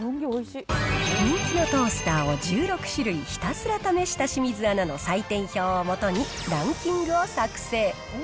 人気のトースターを１６種類、ひたすら試した清水アナの採点表をもとに、ランキングを作成。